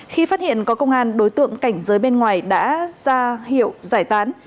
khi phát hiện có công an đối tượng cảnh giới bên ngoài đã ra hiệu giải tán